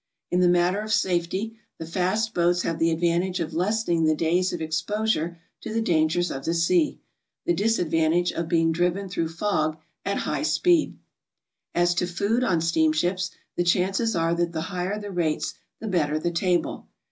In the matter of safety the fast boiats have the advantage of lessening the days of exposure to the dangers of the sea, the disadvantage of being driven through fog at high speed. As to food on steamships, the chances are that the higher the rates the better the table.